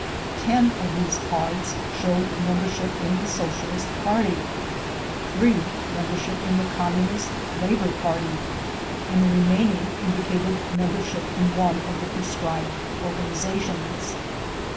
Ten of these cards showed membership in the Socialist Party, three membership in the Communist Labor Party, and the remaining indicated membership in one of the proscribed organizations.